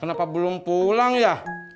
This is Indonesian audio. kenapa belum pulang ya